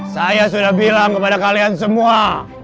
saya sudah bilang kepada kalian semua